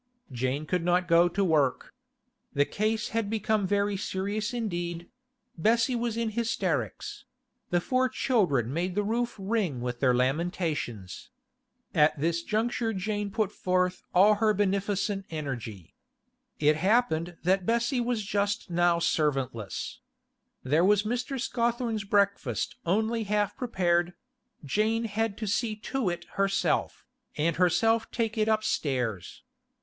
Jane could not go to work. The case had become very serious indeed; Bessie was in hysterics; the four children made the roof ring with their lamentations. At this juncture Jane put forth all her beneficent energy. It happened that Bessie was just now servantless. There was Mr. Scawthorne's breakfast only half prepared; Jane had to see to it herself, and herself take it upstairs.